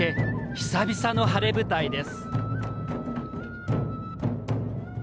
久々の晴れ舞台です。